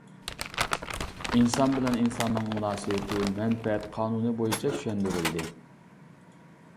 ئىنسان بىلەن ئىنساننىڭ مۇناسىۋىتى مەنپەئەت قانۇنى بويىچە چۈشەندۈرۈلدى.